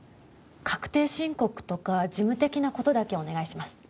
確定申告とか、事務的なことだけお願いします。